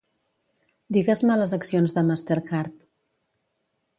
Digues-me les accions de Master Card.